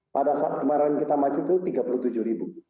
pada saat kemarin kita majuk itu rp tiga puluh tujuh